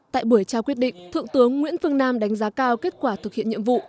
tại buổi trao quyết định thượng tướng nguyễn phương nam đánh giá cao kết quả thực hiện nhiệm vụ